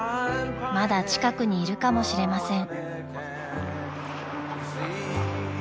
［まだ近くにいるかもしれません］